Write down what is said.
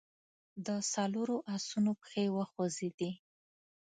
د څلورو آسونو پښې وخوځېدې.